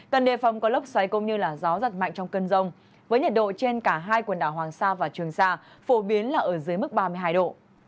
cần đề phòng có lốc xoáy cũng như gió giật mạnh trong cơn rông với nhiệt độ trên cả hai quần đảo hoàng sa và trường sa phổ biến là ở dưới mức ba mươi hai độ